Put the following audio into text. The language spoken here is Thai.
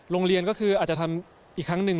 โรงเรียนก็คืออาจจะทำอีกครั้งหนึ่ง